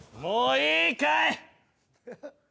もういいかい。